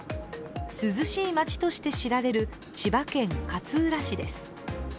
涼しい街として知られる千葉県勝浦市です。